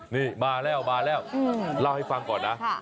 นี่มาแล้วเล่าให้ฟังก่อนนะ